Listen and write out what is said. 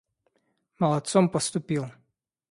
Молодцом поступил!